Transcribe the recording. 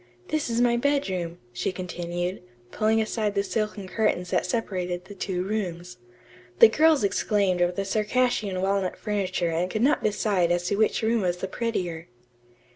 This is my bedroom," she continued, pushing aside the silken curtains that separated the two rooms. The girls exclaimed over the Circassian walnut furniture and could not decide as to which room was the prettier.